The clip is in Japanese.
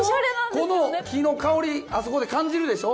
この木の香りあそこで感じるでしょ？